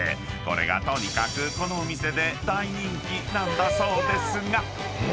これがとにかくこのお店で大人気なんだそうですが］